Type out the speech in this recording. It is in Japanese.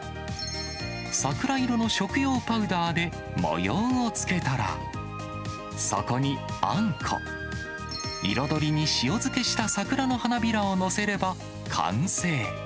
桜色の食用パウダーで模様をつけたら、そこにあんこ、彩りに塩漬けした桜の花びらを載せれば完成。